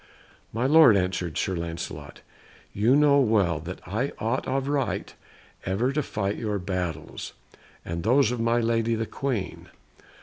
"My lord," answered Sir Lancelot, "you know well that I ought of right ever to fight your battles, and those of my lady the Queen.